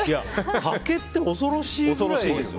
竹って恐ろしいくらい。